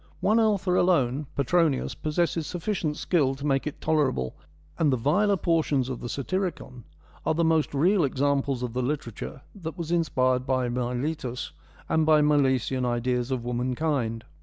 One author alone, Petronius, possesses sufficient skill to make it tolerable, and the viler portions of the ' Satyricon ' are the most real exam ples of the literature that was inspired by Miletus, and by Milesian ideas of womankind.